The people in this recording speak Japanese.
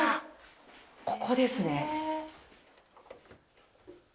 ここですね。